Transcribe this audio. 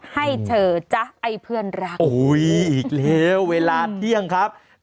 ให้เจอจ๊ะไอ้เพื่อนรัก